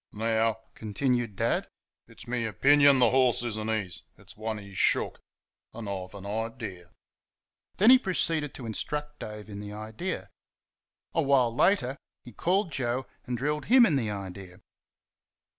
"Now," continued Dad, "it's me opinion the horse is n't his; it's one he's shook an' I've an idea." Then he proceeded to instruct Dave in the idea. A while later he called Joe and drilled him in the idea.